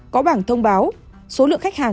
có bảng thông báo số lượng khách hàng